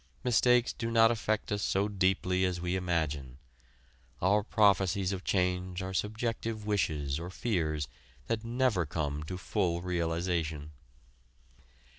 Mistakes do not affect us so deeply as we imagine. Our prophecies of change are subjective wishes or fears that never come to full realization.